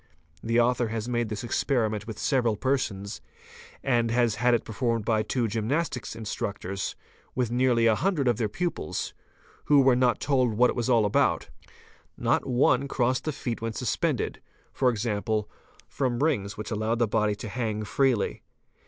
The author has made this experiment with several persons and has had it ; performed by two gymnastic instructors with nearly a hundred of their pupils, who were not told what it was all about; not one crossed the feet when suspended, e.g., from rings which allowed the body to hang freely.